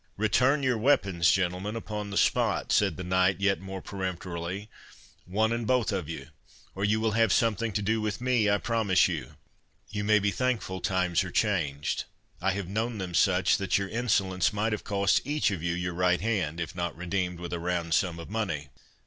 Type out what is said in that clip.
"Return your weapons, gentlemen, upon the spot," said the knight yet more peremptorily, "one and both of you, or you will have something to do with me, I promise you. You may be thankful times are changed. I have known them such, that your insolence might have cost each of you your right hand, if not redeemed with a round sum of money.